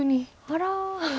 あら。